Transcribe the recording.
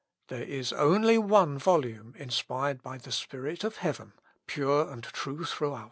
there is only one volume inspired by the Spirit of heaven pure and true throughout."